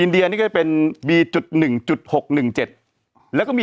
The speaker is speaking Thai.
เดียนี่ก็จะเป็นบีจุดหนึ่งจุดหกหนึ่งเจ็ดแล้วก็มี